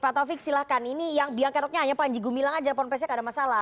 pak taufik silahkan ini yang biang keroknya hanya panji gumilang aja ponpesnya tidak ada masalah